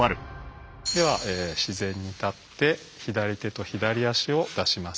では自然に立って左手と左足を出します。